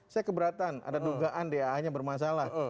saya keberatan ada dugaan dah nya bermasalah